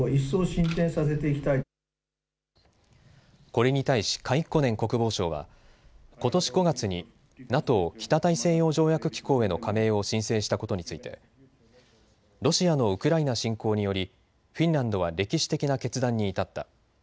これに対しカイッコネン国防相はことし５月にＮＡＴＯ・北大西洋条約機構への加盟を申請したことについてロシアのウクライナ侵攻によりフィンランドは歴史的な決断に至った。